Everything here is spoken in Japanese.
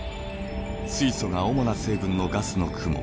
水素が主な成分のガスの雲